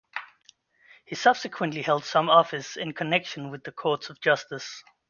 He subsequently held some office in connection with the courts of justice.